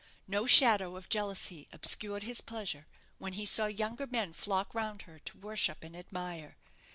No shadow of jealousy obscured his pleasure when he saw younger men flock round her to worship and admire.